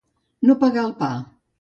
No pagar el pa.